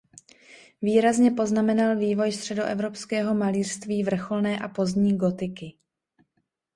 Výrazně poznamenal vývoj středoevropského malířství vrcholné a pozdní gotiky.